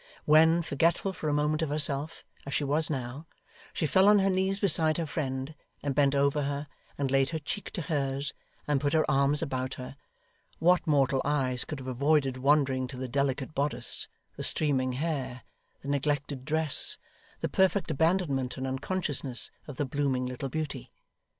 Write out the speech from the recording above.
When, forgetful for a moment of herself, as she was now, she fell on her knees beside her friend, and bent over her, and laid her cheek to hers, and put her arms about her, what mortal eyes could have avoided wandering to the delicate bodice, the streaming hair, the neglected dress, the perfect abandonment and unconsciousness of the blooming little beauty?